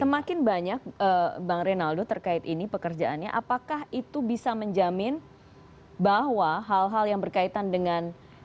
semakin banyak bang rinaldo terkait ini pekerjaannya apakah itu bisa menjamin bahwa hal hal yang berkaitan dengan